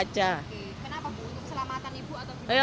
kenapa bu untuk keselamatan ibu